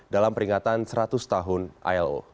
dalam peringatan seratus tahun ilo